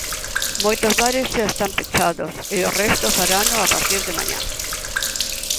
Moitos bares xa están pechados e o resto farano a partir de mañá.